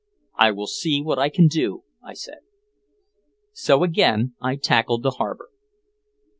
"I will see what I can do," I said. So again I tackled the harbor.